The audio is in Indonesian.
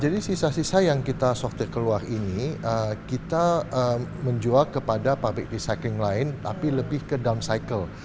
jadi sisa sisa yang kita sortir keluar ini kita menjual kepada public recycling lain tapi lebih ke down cycle